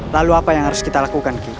lalu apa yang harus kita lakukan ki